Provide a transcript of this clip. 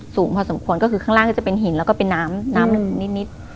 สูงพอสมควรก็คือข้างล่างก็จะเป็นหินแล้วก็เป็นน้ำน้ำนิด